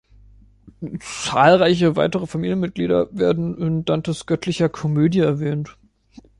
Zahlreiche weitere Familienmitglieder werden in Dantes "Göttlicher Komödie" erwähnt.